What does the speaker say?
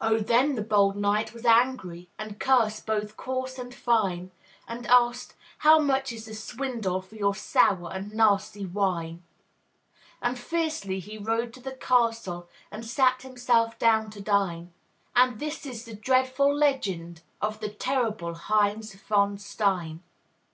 Oh, then the bold knight was angry, And cursed both coarse and fine; And asked, "How much is the swindle For your sour and nasty wine?" And fiercely he rode to the castle And sat himself down to dine; And this is the dreadful legend Of the terrible Heinz von Stein.